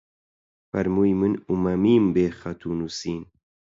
فەرمووی: من ئوممیم بێ خەت و نووسین